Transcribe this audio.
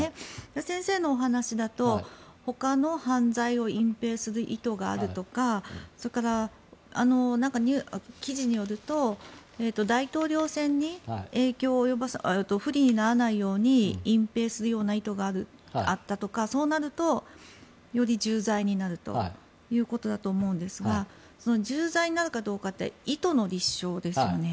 先生のお話だと、ほかの犯罪を隠ぺいする意図があるとかそれから、記事によると大統領選挙に影響を及ぼす不利にならないように隠ぺいするような意図があったとかそうなると、より重罪になるということだと思うんですが重罪になるかどうかって意図の立証ですよね。